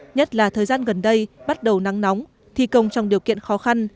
nhất là thời gian gần đây bắt đầu nắng nóng thi công trong điều kiện khó khăn